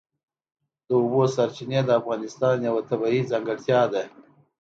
د اوبو سرچینې د افغانستان یوه طبیعي ځانګړتیا ده.